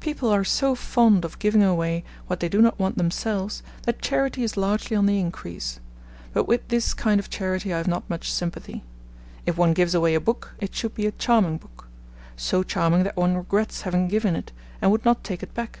People are so fond of giving away what they do not want themselves, that charity is largely on the increase. But with this kind of charity I have not much sympathy. If one gives away a book, it should be a charming book so charming, that one regrets having given it, and would not take it back.